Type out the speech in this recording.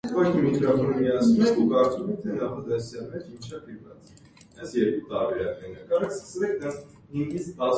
Ներկայիս հոն բնակութիւն չէ հաստատուած։